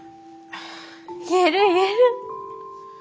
言える言える。